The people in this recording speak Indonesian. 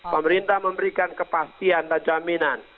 pemerintah memberikan kepastian dan jaminan